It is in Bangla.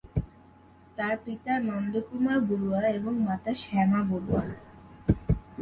তার পিতা নন্দকুমার বড়ুয়া এবং মাতা শ্যামা বড়ুয়া।